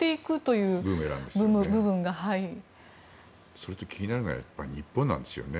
それと気になるのは日本なんですよね。